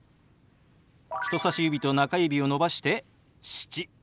人さし指と中指を伸ばして「７」。